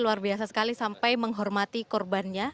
luar biasa sekali sampai menghormati korbannya